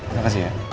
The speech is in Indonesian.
terima kasih ya